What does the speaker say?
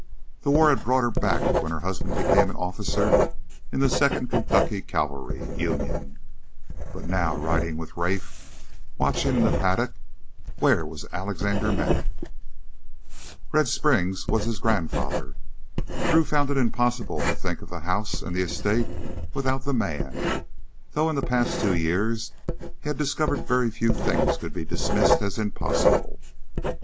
The war had brought her back when her husband became an officer in the Second Kentucky Cavalry Union. But now riding with Rafe, watching in the paddock where was Alexander Mattock? Red Springs was his grandfather. Drew found it impossible to think of the house and the estate without the man, though in the past two years he had discovered very few things could be dismissed as impossible.